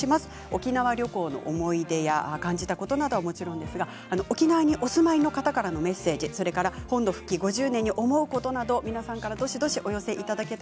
沖縄旅行の思い出や感じたことはもちろん沖縄にお住まいの方からのメッセージ本土復帰５０年に思うことなどどしどしお寄せください。